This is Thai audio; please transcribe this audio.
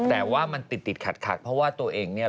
แต่ว่ามันติดติดขัดเพราะว่าตัวเองเนี่ย